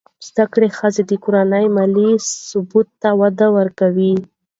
زده کړه ښځه د کورنۍ مالي ثبات ته وده ورکوي.